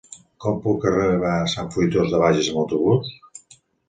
Com puc arribar a Sant Fruitós de Bages amb autobús?